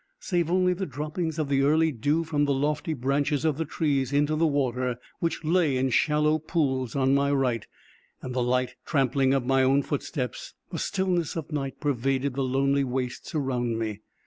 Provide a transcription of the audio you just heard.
Save only the droppings of the early dew from the lofty branches of the trees into the water, which lay in shallow pools on my right, and the light trampling of my own footsteps, the stillness of night pervaded the lonely wastes around me.